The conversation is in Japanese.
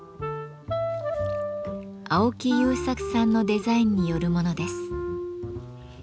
青木雄作さんのデザインによるものです。